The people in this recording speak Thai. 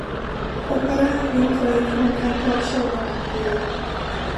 โอปรา วินเฟรย์ ครองการทอล์คโชว์มาหลายปี